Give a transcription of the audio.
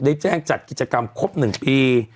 แม่งจัดกิจกรรมครบ๑ปี